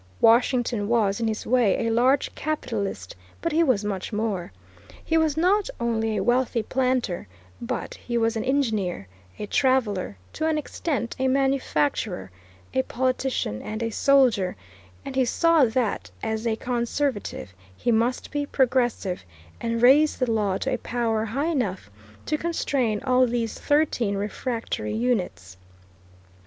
Washington was, in his way, a large capitalist, but he was much more. He was not only a wealthy planter, but he was an engineer, a traveller, to an extent a manufacturer, a politician, and a soldier, and he saw that, as a conservative, he must be "Progressive" and raise the law to a power high enough to constrain all these thirteen refractory units.